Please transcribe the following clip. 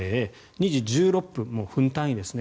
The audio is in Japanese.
２時１６分、もう分単位ですね。